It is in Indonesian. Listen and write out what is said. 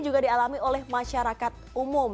juga dialami oleh masyarakat umum